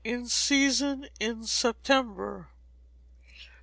In Season in September.